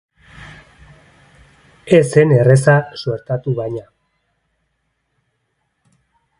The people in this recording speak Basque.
Ez zen erreza suertatu baina.